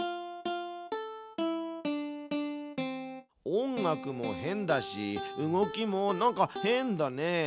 音楽も変だし動きもなんか変だね。